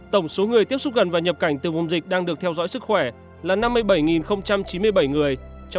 tổng số người tiếp xúc gần và nhập cảnh từ vùng dịch đang được theo dõi sức khỏe là năm mươi bảy chín mươi bảy người